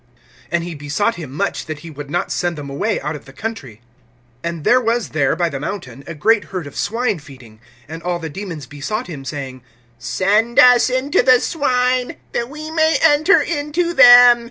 (10)And he besought him much that he would not send them away out of the country. (11)And there was there, by the mountain, a great herd of swine feeding. (12)And all the demons besought him, saying: Send us into the swine, that we may enter into them.